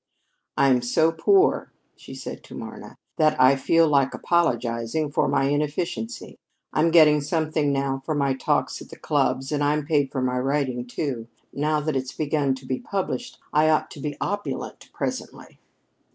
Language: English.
"I'm so poor," she said to Marna, "that I feel like apologizing for my inefficiency. I'm getting something now for my talks at the clubs, and I'm paid for my writing, too. Now that it's begun to be published, I ought to be opulent presently."